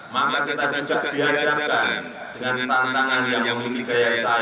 maka kita juga dihadapkan dengan tanggapan